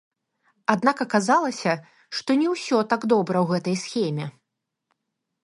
Аднак аказалася, што не ўсё так добра ў гэтай схеме.